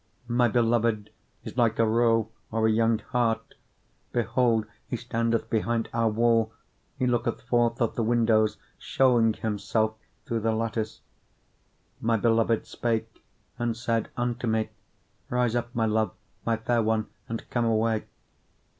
2:9 My beloved is like a roe or a young hart: behold, he standeth behind our wall, he looketh forth at the windows, shewing himself through the lattice. 2:10 My beloved spake, and said unto me, Rise up, my love, my fair one, and come away.